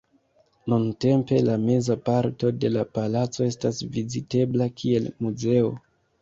Nuntempe la meza parto de la palaco estas vizitebla kiel muzeo.